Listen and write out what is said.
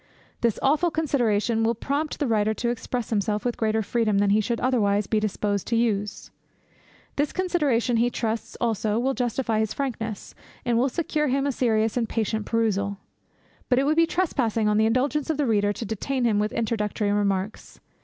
This awful consideration will prompt the writer to express himself with greater freedom than he should otherwise be disposed to use. This consideration he trusts, also, will justify his frankness, and will secure him a serious and patient perusal. But it would be trespassing on the indulgence of the reader to detain him with introductory remarks.